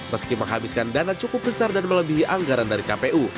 meski menghabiskan dana cukup besar dan melebihi anggaran dari kpu